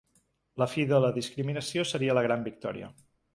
La fi de la discriminació seria la gran victòria.